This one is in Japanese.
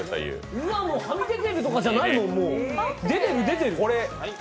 うわ、はみ出てるとかじゃないもん出てる、出てる！